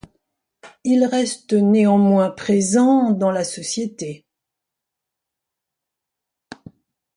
Ils restent néanmoins présent dans la société.